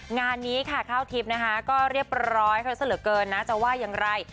งานนี้คราวทริปก็เรียบร้อยเขาเสริมเส้นเหลือเกิณ่าจะว่ายังไง